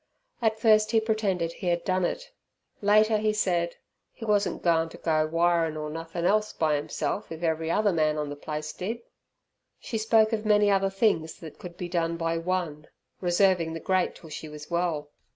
At first he pretended he had done it, later said he wasn't goin' t' go wirin' or nothin' else by 'imself if every other man on the place did. She spoke of many other things that could be done by one, reserving the great till she was well.